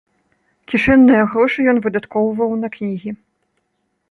Кішэнныя грошы ён выдаткоўваў на кнігі.